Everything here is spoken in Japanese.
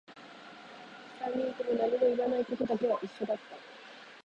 三人とも何も言わないことだけは一緒だった